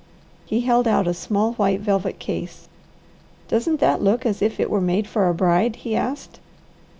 He held out a small, white velvet case. "Doesn't that look as if it were made for a bride?" he asked.